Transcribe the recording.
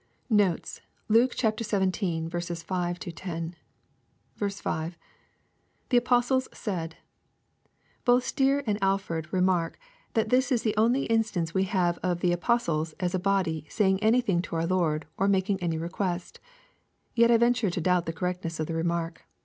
Notes. Luke XYII. 5—10. 5. — [The AposUes said.] Both Stier and Alford remark, that this ia the only instance we have of the " apostles," as a body, saying anything to our Lord, or making any request. Yet I venture to doubt the correctness of the remark.